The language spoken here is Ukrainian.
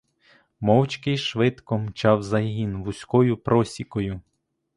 Мовчки й швидко мчав загін вузькою просікою.